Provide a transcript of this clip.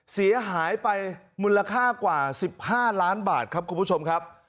เสียหายไปมูลค่ากว่า๑๕ล้านบาทครับคุณผู้ชมครับ